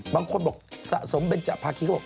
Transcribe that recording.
บางคนบอกสะสมเบนจภาคีโรค